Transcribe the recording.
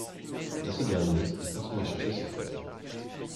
Quant à ce dernier, il continue à chercher son père.